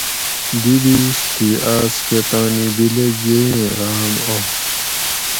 دی دِیش تھی آۤس کہ تانی بِلیگ ییئیں غاۤم آش